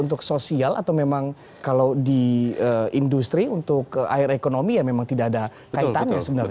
untuk sosial atau memang kalau di industri untuk air ekonomi ya memang tidak ada kaitannya sebenarnya